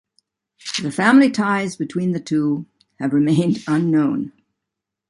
The family ties between the two have remained unknown.